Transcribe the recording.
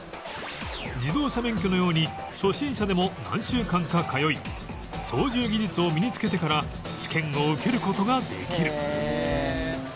自動車免許のように初心者でも何週間か通い操縦技術を身につけてから試験を受ける事ができる